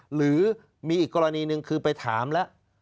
หรือมีอีกกรณีหนึ่งคือไปถามแล้ว